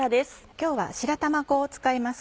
今日は白玉粉を使います